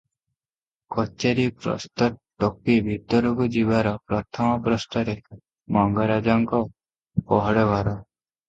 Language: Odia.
କଚେରି ପ୍ରସ୍ତ ଟପି ଭିତରକୁ ଯିବାର ପ୍ରଥମ ପ୍ରସ୍ତରେ ମଙ୍ଗରାଜଙ୍କ ପହଡ଼ ଘର ।